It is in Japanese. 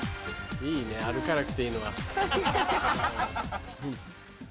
いいね歩かなくていいのは。